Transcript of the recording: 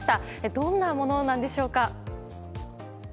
どんなものなんでしょうか。